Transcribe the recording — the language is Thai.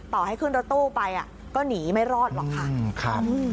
ต่อให้ขึ้นรถตู้ไปก็หนีไม่รอดหรอกค่ะ